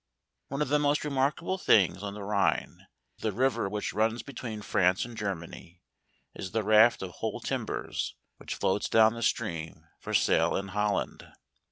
One of the most remarkable things on the Rhine (the river which runs between France and Germany) is the raft of whole timbers, which floats down the stream, for sale in Holland.